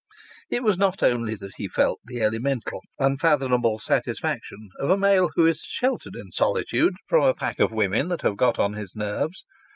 It was not only that he felt the elemental, unfathomable satisfaction of a male who is sheltered in solitude from a pack of women that have got on his nerves.